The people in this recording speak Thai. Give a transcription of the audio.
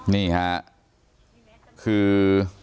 นี่ค่ะคือ